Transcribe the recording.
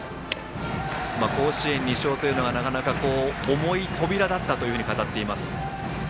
甲子園２勝というのは、なかなか重い扉だったということを語っています。